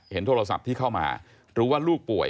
โทรศัพท์ที่เข้ามารู้ว่าลูกป่วย